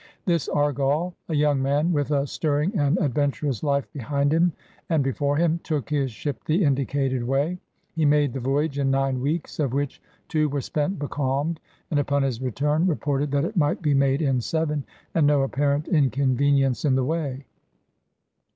This Argally a young man with a stirring and adventurous life behind him and before him, took his ship the indicated way. He made the voyage in nine weeks, of which two were spent becalmed, and upon his return reported that it might be made in seven, ^'and no apparent inconvenience in the way."